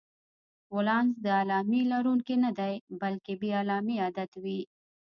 ولانس د علامې لرونکی نه دی، بلکې بې علامې عدد وي.